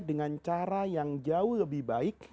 dengan cara yang jauh lebih baik